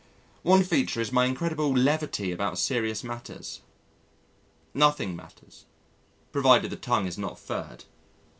One feature is my incredible levity about serious matters. Nothing matters, provided the tongue is not furred.